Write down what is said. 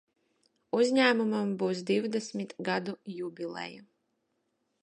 Uzņēmumam būs divdesmit gadu jubileja.